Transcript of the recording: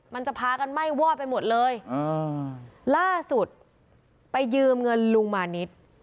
มันจะพากันไหม้วอดไปหมดเลยล่าสุดไปยืมเงินลุงมานิด